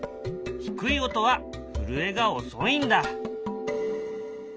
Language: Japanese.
低い音は震えが遅いんだ。